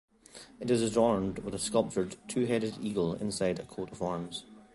It is adorned with a sculpted two-headed eagle inside a coat of arms.